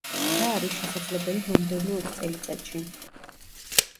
რა არის შესაძლებელი მომდევნო ოც წელიწადში?